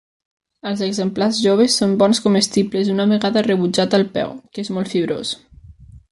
Els exemplars joves són bons comestibles una vegada rebutjat el peu, que és molt fibrós.